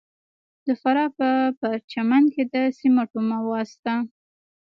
د فراه په پرچمن کې د سمنټو مواد شته.